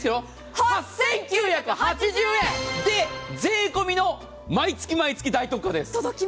８９８０円で税込みの毎月毎月大特価です。